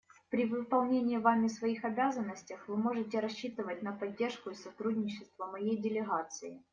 При выполнении вами своих обязанностей вы можете рассчитывать на поддержку и сотрудничество моей делегации.